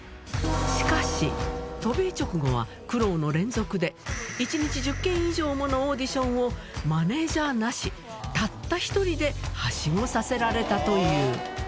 しかし、渡米直後は苦労の連続で、１日１０件以上ものオーディションをマネージャーなし、たった一人ではしごさせられたという。